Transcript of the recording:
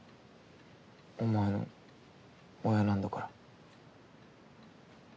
お前の親なんだから。